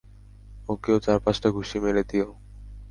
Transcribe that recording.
ওকেও চার-পাঁচটা ঘুষি মেরে দিও।